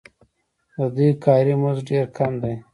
د دوی کاري مزد ډېر کم دی